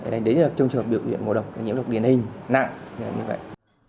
đấy là trong trường hợp biểu hiện ngộ độc nhiễm độc điền hình nặng như vậy